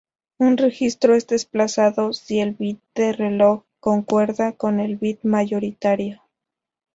Un registro es desplazado si el bit de reloj concuerda con el bit mayoritario.